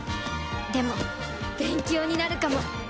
でも勉強になるかも！